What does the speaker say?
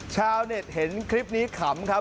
ชาวเน็ตเห็นคลิปนี้ขำครับ